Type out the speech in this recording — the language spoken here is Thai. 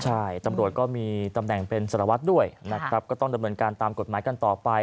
ใช่ตำรวจก็มีตำแหน่งเป็นสารวัตรด้วยนะครับก็ต้องดำเนินการตามกฎหมายกันต่อไป